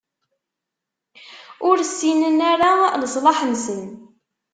Ur ssinen ara leṣlaḥ-nsen.